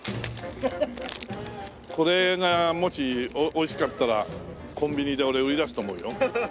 これがもしおいしかったらコンビニで俺売り出すと思うよ。